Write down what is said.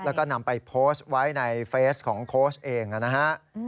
แล้วก็นำไปโพสต์ไว้ในเฟสของโค้ชเองนะฮะ